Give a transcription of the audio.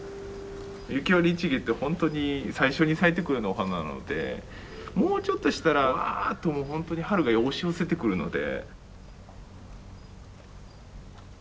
雪割一華ってほんとに最初に咲いてくるようなお花なのでもうちょっとしたらわっともうほんとに春が押し寄せてくるので。